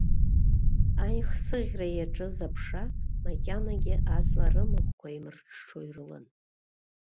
Аихсыӷьра иаҿыз аԥша, макьанагьы аҵла рымахәқәа еимырҽҽо ирылан.